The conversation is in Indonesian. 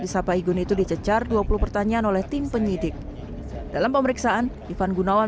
disapa igun itu dicecar dua puluh pertanyaan oleh tim penyidik dalam pemeriksaan ivan gunawan